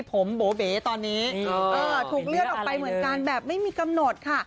ผมโบเบ๋ตอนนี้ถูกเลื่อนออกไปเหมือนกันแบบไม่มีกำหนดค่ะ